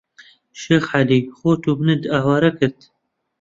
شێخ عەلی خۆت و منت ئاوارە کرد